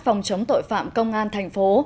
phòng chống tội phạm công an thành phố